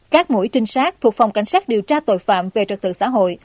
các mũi trinh sát thuộc phòng cảnh sát điều tra tội phạm về trật tự xã hội